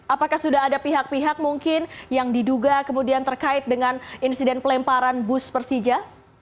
apakah sudah ada pihak pihak mungkin yang diduga kemudian terkait dengan insiden pelemparan bus persija